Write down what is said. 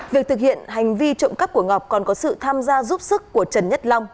việc thực hiện hành vi trộm cắp của ngọc còn có sự tham gia giúp sức của trần nhất long